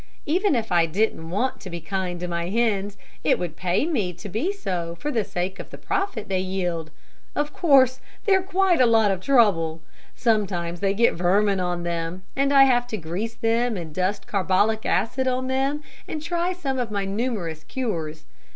Even if I didn't want to be kind to my hens, it would pay me to be so for sake of the profit they yield. Of course they're quite a lot of trouble. Sometimes they get vermin on them, and I have to grease them and dust carbolic acid on them, and try some of my numerous cures.